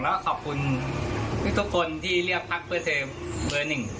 แล้วขอบคุณทุกคนที่เรียกพักเพื่อไทยเบอร์หนึ่ง